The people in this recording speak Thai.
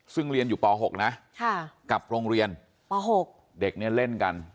ซึ่งเรียนอยู่ป๖นะกับโรงเรียนป๖เด็กเนี่ยเล่นกัน